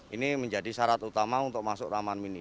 ini menjadi syarat utama untuk masuk taman mini